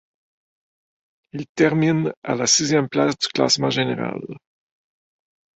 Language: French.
Il termine à la sixième place du classement général.